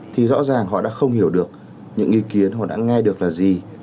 thì rõ ràng họ đã không hiểu được những ý kiến họ đã nghe được là gì